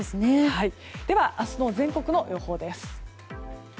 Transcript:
明日の全国の予報です。